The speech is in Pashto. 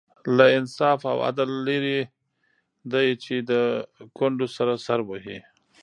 له انصاف او عدل لرې دی چې د کونډو سر سر وهي.